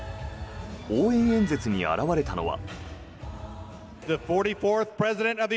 応援演説に現れたのは。